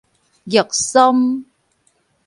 玉參